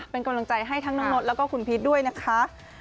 เป็นกำลังใจให้ทั้งน้องนดแล้วก็คุณพีชด้วยนะคะ